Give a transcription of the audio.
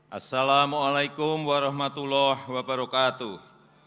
assalamu'alaikum warahmatullahi wabarakatuh